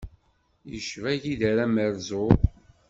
Yecba igider amerẓu.